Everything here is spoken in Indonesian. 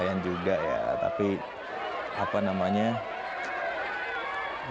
ee untuk resepsi pernikahan dari bobo